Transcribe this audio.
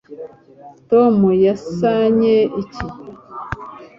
tom yazanye iki